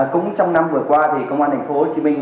cũng trong năm vừa qua thì công an thành phố hồ chí minh